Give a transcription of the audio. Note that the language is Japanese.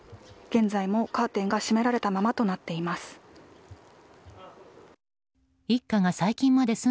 現在もカーテンが閉められたままとなっています。